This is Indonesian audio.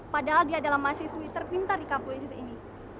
padahal dia adalah mahasiswi terpintar di kampus isis ini